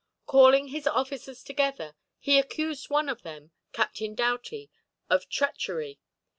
Calling his officers together, he accused one of them, Captain Doughty, of treachery.